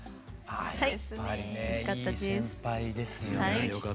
はい。